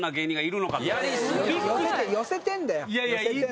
寄せてるんだよ。